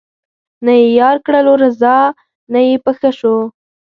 نه یې یار کړلو رضا نه یې په ښه شو